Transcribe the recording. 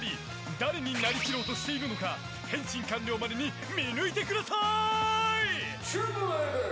誰になりきろうとしているのか変身完了までに見抜いてください！